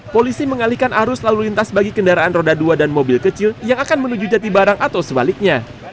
polisi mengalihkan arus lalu lintas bagi kendaraan roda dua dan mobil kecil yang akan menuju jatibarang atau sebaliknya